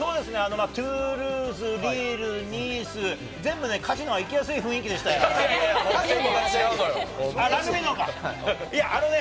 トゥールーズ、リール、ニース、全部カジノは行きやすい雰囲気でしたけれども、ラグビーのことね。